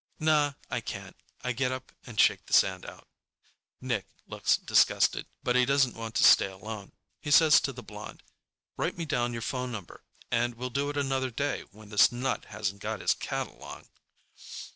"Nah, I can't." I get up and shake the sand out. Nick looks disgusted, but he doesn't want to stay alone. He says to the blonde, "Write me down your phone number, and we'll do it another day when this nut hasn't got his cat along."